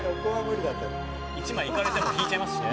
１枚いかれても引いちゃいますしね。